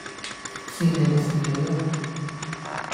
跣你咪跣你囉